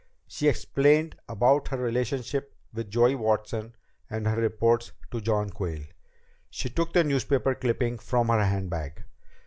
She explained about her relationship with Joey Watson and her reports to John Quayle. She took the newspaper clipping from her handbag.